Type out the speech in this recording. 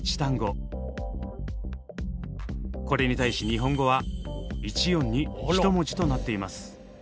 これに対し日本語は１音に１文字となっています。